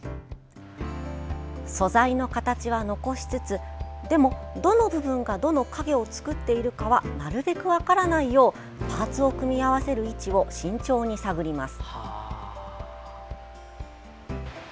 素材の形は残しつつでも、どの部分がどの影を作っているかはなるべく分からないようパーツを組み合わせる位置を慎重に探ります。